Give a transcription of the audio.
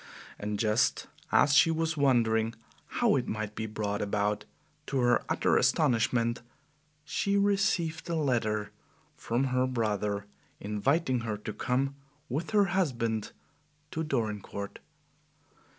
And just as she was wondering how it might be brought about, to her utter astonishment, she received a letter from her brother inviting her to come with her husband to Dorincourt.